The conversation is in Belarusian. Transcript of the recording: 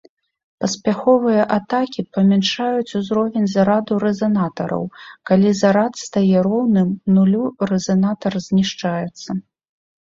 Паспяховыя атакі памяншаюць узровень зараду рэзанатараў, калі зарад стае роўным нулю рэзанатар знішчаецца.